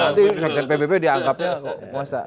nanti sekjen pbb dianggapnya kuasa